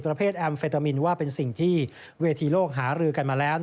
ประเภทแอมเฟตามินว่าเป็นสิ่งที่เวทีโลกหารือกันมาแล้ว